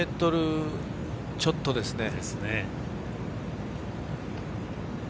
２ｍちょっとですね。